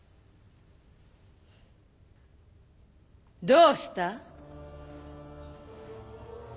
どうした？